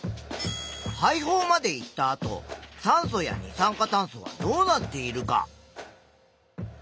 肺胞まで行ったあと酸素や二酸化炭素はどうなっているか？